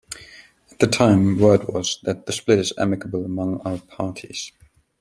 At the time, word was that the split is amicable among all parties.